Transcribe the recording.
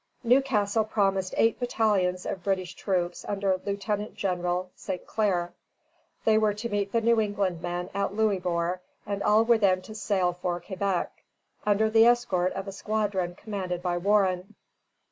Newcastle promised eight battalions of British troops under Lieutenant General Saint Clair. They were to meet the New England men at Louisbourg, and all were then to sail together for Quebec, under the escort of a squadron commanded by Warren.